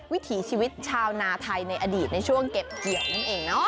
วิถีชีวิตชาวนาไทยในอดีตในช่วงเก็บเกี่ยวนั่นเองเนาะ